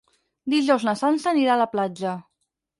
Dijous na Sança anirà a la platja.